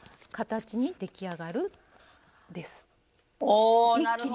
おおなるほど。